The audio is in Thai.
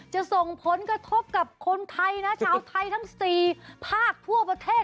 จะส่งผลกระทบกับคนไทยนะชาวไทยทั้ง๔ภาคทั่วประเทศ